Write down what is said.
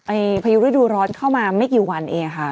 ไอ่พยุดฤดูร้อนเข้ามาไม่กี่วันเองอ่ะค่ะ